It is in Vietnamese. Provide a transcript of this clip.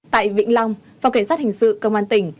tại vĩnh long phòng cảnh sát hình sự công an tỉnh